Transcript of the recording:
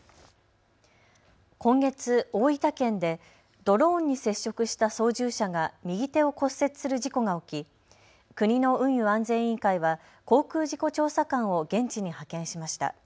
今月、大分県でドローンに接触した操縦者が右手を骨折する事故が起き国の運輸安全委員会は航空事故調査官を現地に派遣しました。